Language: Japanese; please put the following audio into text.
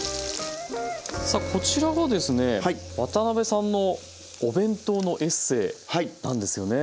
さあこちらがですね渡辺さんのお弁当のエッセイなんですよね。